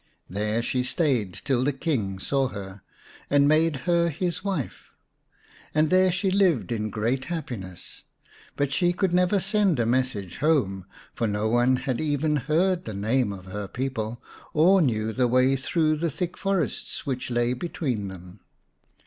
There she stayed till the King saw her, and made her his wife, and there she lived in great happiness. But she could never send a message home, for no one had even heard the name of her people, or knew the way through the thick forests which lay between them.